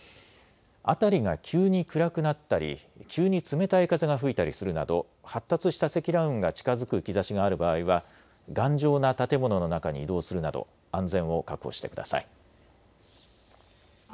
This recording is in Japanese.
辺りが急に暗くなったり急に冷たい風が吹いたりするなど発達した積乱雲が近づく兆しがある場合は頑丈な建物の中に移動するなど安全を確保してください。